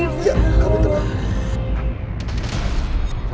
ya kamu tetap